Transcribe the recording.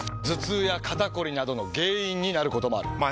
頭痛や肩こりなどの原因になることもある。